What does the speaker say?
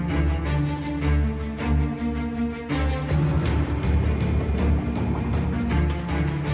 มีใครขอแค่ใครสิใครจะจะรับพลังหลักสู้บีมั้ย